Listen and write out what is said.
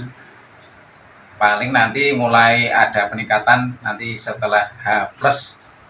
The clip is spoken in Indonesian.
hai paling nanti mulai ada peningkatan nanti setelah haplus